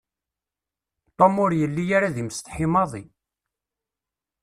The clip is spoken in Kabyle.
Tom ur yelli ara d imsetḥi maḍi.